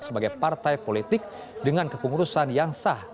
sebagai partai politik dengan kepengurusan yang sah